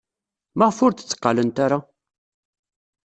Maɣef ur d-tteqqalent ara?